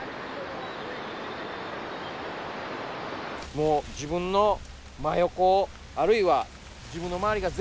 もう自分の真横をあるいは自分の周りが全部滝の水。